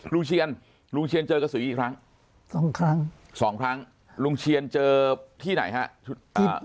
ลุงเชียนเจอกระสุนอีกครั้งสองครั้งลุงเชียนเจอที่ไหนครับ